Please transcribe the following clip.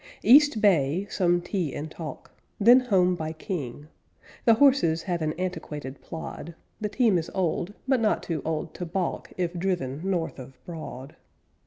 East Bay, some tea and talk, them home by King. The horses have an antiquated plod; The team is old, but not too old to balk If driven north of Broad.